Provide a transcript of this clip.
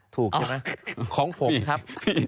ถูกใช่ไหมของผมครับ